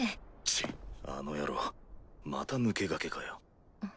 チッあの野郎また抜け駆けかよ。